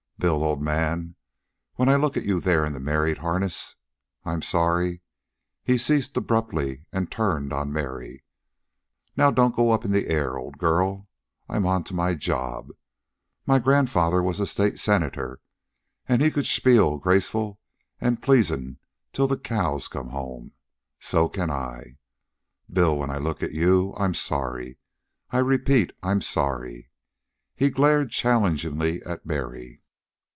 Bill, old man, when I look at you there in the married harness, I'm sorry " He ceased abruptly and turned on Mary. "Now don't go up in the air, old girl. I'm onto my job. My grandfather was a state senator, and he could spiel graceful an' pleasin' till the cows come home. So can I. Bill, when I look at you, I'm sorry. I repeat, I'm sorry." He glared challengingly at Mary.